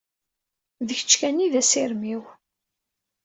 D kečč kan i d asirem-iw.